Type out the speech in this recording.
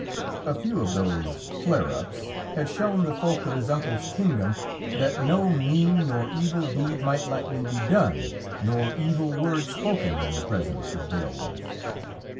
A few of those flares up had shown the folk of his uncle's kingdom that no mean nor evil deed might lightly be done, nor evil word spoken in the presence of Beowulf.